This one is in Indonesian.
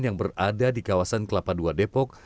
yang berada di kawasan kelapa ii depok